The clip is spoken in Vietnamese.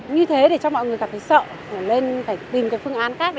như thế để cho mọi người cảm thấy sợ nên phải tìm cái phương án khác để đi